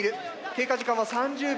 経過時間は３０秒。